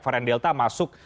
varian delta masuk